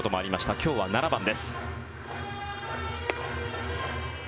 今日は７番です。